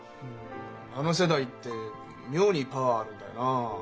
あの世代って妙にパワーあるんだよな。